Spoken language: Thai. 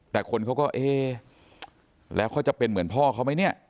แต่คนเขาก็เอ๊ะแล้วเขาจะเป็นเหมือนพ่อเขาไหมเนี่ย